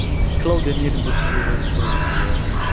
Claudenir da Silva Souza